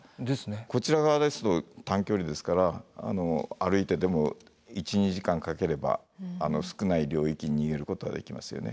こちら側ですと短距離ですから歩いてでも１２時間かければ少ない領域に逃げることはできますよね。